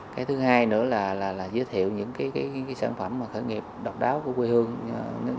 cái thứ hai nữa là giới thiệu những sản phẩm khởi nghiệp độc đáo của quê hương